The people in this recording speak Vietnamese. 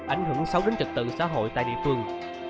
ảnh hưởng sâu đến trực tự xã hội tại địa phương